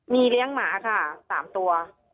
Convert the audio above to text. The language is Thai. มีเลี้ยงหมาค่ะ๓ตัว